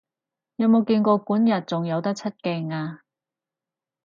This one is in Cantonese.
有冇見過管軼仲有得出鏡啊？